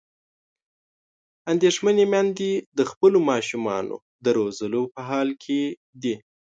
اندېښمنې میندې د خپلو ماشومانو د روزلو په حال کې دي.